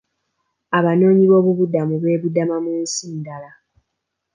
Abanoonyiboobubudamu beebudama mu nsi ndala.